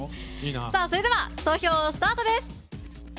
それでは投票スタート。